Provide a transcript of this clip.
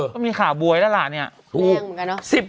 ก็มีข่าวบวยแล้วล่ะเนี่ย